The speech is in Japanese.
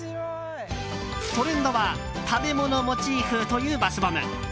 トレンドは食べ物モチーフというバスボム。